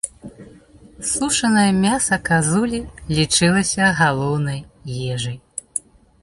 Сушанае мяса казулі лічылася галоўнай ежай.